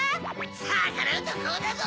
さからうとこうだぞ！